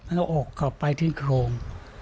เขาก็โอกออกไปทิ้งโครง